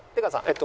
出川さん